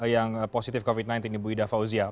yang positif covid sembilan belas ibu ida fauzia